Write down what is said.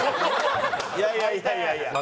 いやいやいやいや。